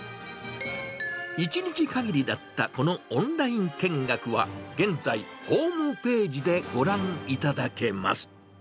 １日限りだったこのオンライン見学は、現在、ホームページでご覧いただけます。